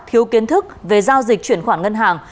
thiếu kiến thức về giao dịch chuyển khoản ngân hàng